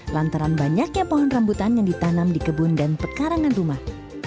lantaran banyaknya pohon rambutan yang ditanam di kebun dan pekarangan rumah